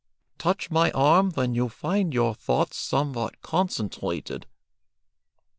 Touch my arm when you find your thoughts somewhat concentrated."